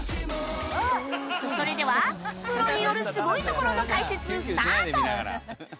それではプロによるすごいところの解説スタート